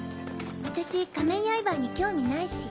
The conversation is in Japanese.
私仮面ヤイバーに興味ないし。